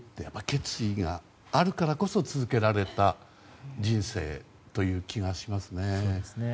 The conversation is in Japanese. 決意があるからこそ続けられた人生という気がしますね。